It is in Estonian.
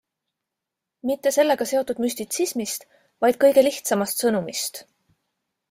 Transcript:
Mitte sellega seotud müstitsismist, vaid kõige lihtsamast sõnumist.